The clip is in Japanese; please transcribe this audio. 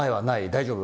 大丈夫？